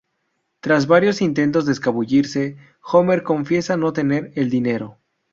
Tras varios intentos de escabullirse, Homer confiesa no tener el dinero.